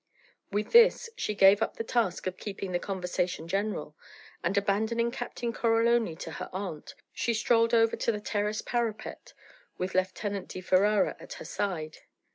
With this she gave up the task of keeping the conversation general; and abandoning Captain Coroloni to her aunt, she strolled over to the terrace parapet with Lieutenant di Ferara at her side.